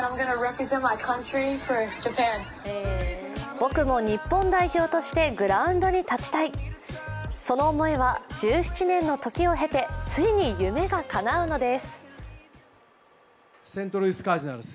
僕も日本代表としてグランドに立ちたい、その思いは１７年の時を経てついに夢がかなうのです。